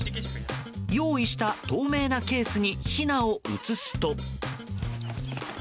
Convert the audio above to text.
用意した透明なケースにひなを移すと。